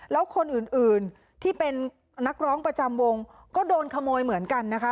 แล้วคนอื่นที่เป็นนักร้องประจำวงก็โดนขโมยเหมือนกันนะคะ